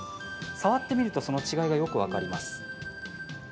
触ってみるとその違いがよく分かります。